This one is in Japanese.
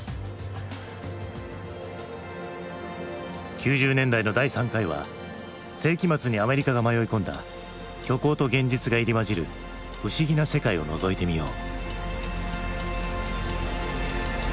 ９０年代の第３回は世紀末にアメリカが迷い込んだ虚構と現実が入り交じる不思議な世界をのぞいてみよう。